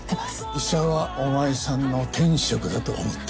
医者はお前さんの天職だと思ってるよ。